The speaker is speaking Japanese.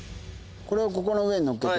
これをここの上に載っけて。